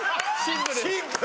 シンプル！